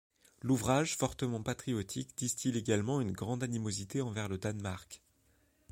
L'ouvrage fortement patriotique distille également une grande animosité envers le Danemark.